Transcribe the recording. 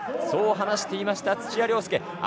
そう話していました、土屋良輔。